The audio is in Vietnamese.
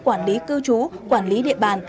quản lý cư trú quản lý địa bàn